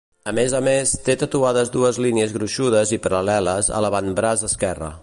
A més a més, té tatuades dues línies gruixudes i paral·leles a l'avantbraç esquerre.